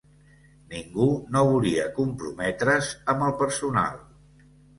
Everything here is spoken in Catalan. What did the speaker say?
Ningú no volia comprometre's amb el personal.